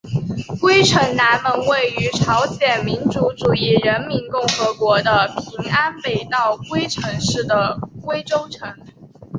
龟城南门位于朝鲜民主主义人民共和国的平安北道龟城市的龟州城。